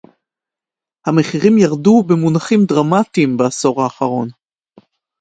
המחירים ירדו במונחים דרמטיים בעשור האחרון